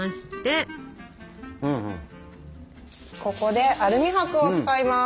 ここでアルミ箔を使います。